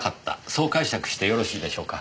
そう解釈してよろしいでしょうか。